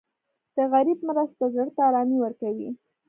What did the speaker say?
د غریب مرسته زړه ته ارامي ورکوي.